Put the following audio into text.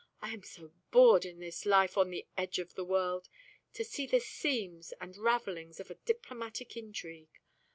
I am so bored in this life on the edge of the world! To see the seams and ravelings of a diplomatic intrigue!